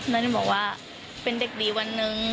แล้วนี่บอกว่าเป็นเด็กดีวันหนึ่ง